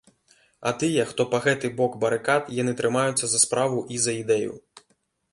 А тыя, хто па гэты бок барыкад, яны трымаюцца за справу і за ідэю.